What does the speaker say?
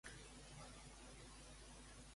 El Citco a Espanya i l'Europol.